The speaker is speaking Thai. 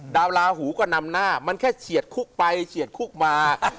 ดาวลาโหวลากระหนังหน้ามันแค่เฉียดคุกไปเฉียดคุกมา